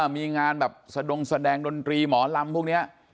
มีงานแบบสะดงแสดงดนตรีหมอลำพวกนี้